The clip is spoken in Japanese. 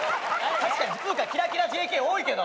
確かに普通科キラキラＪＫ多いけど。